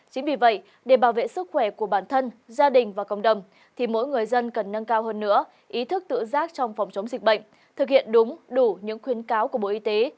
chính vì vậy để bảo vệ sức khỏe của bản thân gia đình và cộng đồng thì mỗi người dân cần nâng cao hơn nữa ý thức tự giác trong phòng chống dịch bệnh thực hiện đúng đủ những khuyến cáo của bộ y tế